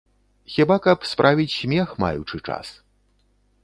Хіба каб справіць смех, маючы час.